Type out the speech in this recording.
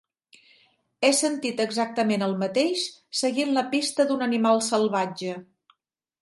He sentit exactament el mateix seguint la pista d'un animal salvatge